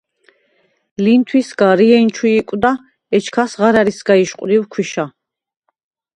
ლინთვისგა რიენ ჩუ იკვდა, ეჩქას ღარა̈რისგა იშყვდივ ქვიშა.